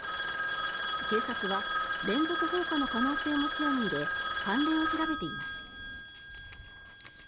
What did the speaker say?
警察は連続放火の可能性も視野に入れ関連を調べています。